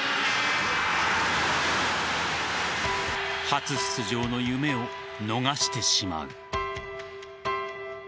初出場の夢を逃してしまう。